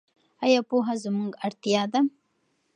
ایا پوهه زموږ اړتیا ده؟